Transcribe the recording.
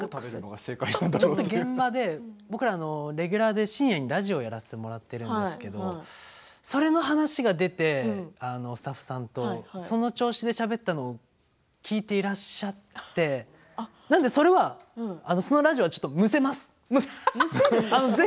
ちょっと現場で僕らレギュラーで深夜にラジオやらせていただいてるんですがその話が出て、スタッフさんとその調子でしゃべったのを聞いていらっしゃってそのラジオはむせます。